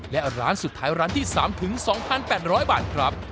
และร้านสุดท้ายร้านที่สามถึงสองพันแปดร้อยบาทครับ